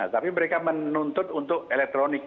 tapi mereka menuntut untuk elektronik